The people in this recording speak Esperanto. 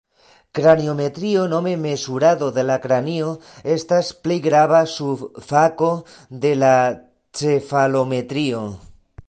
Kraniometrio, nome mezurado de la kranio, estas plej grava subfako de cefalometrio.